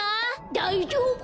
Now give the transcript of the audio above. だいじょうぶ。